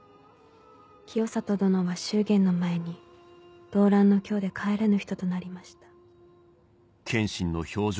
清里殿は祝言の前に動乱の京で帰らぬ人となりました」。